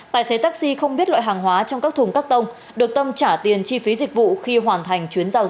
tài xế taxi không biết loại hàng hóa trong các thùng cắt tông được tâm trả tiền chi phí dịch vụ khi hoàn thành chuyến giao dịch